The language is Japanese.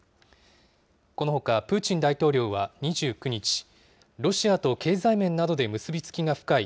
このほか、プーチン大統領は２９日、ロシアと経済面などで結び付きが深い